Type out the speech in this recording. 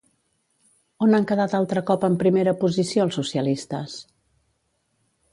On han quedat altre cop en primera posició els socialistes?